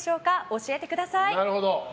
教えてください。